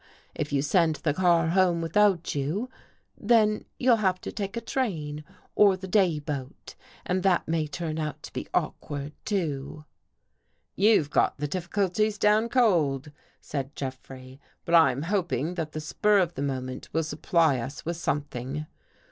If you send the car home without you, then you'll have to take a train or the day boat, and that may turn out to be awkward, too." " You've got the difficulties down cold," said Jeffrey, " but I'm hoping that the spur of the moment will supply us with something."